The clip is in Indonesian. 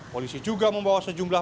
polisi juga membawa sejumlah